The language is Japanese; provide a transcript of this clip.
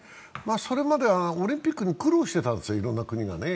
それまではオリンピックに苦労してたんですよ、いろんな国が。